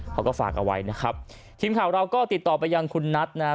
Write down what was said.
เขาก็ฝากเอาไว้นะครับทีมข่าวเราก็ติดต่อไปยังคุณนัทนะฮะ